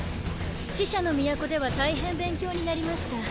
死者の都では大変勉強になりました。